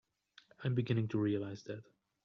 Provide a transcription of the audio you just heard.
I'm beginning to realize that.